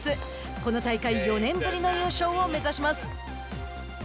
この大会４年ぶりの優勝を目指します。